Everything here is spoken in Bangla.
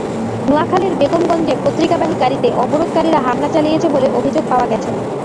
নোয়াখালীর বেগমগঞ্জে পত্রিকাবাহী গাড়িতে অবরোধকারীরা হামলা চালিয়েছে বলে অভিযোগ পাওয়া গেছে।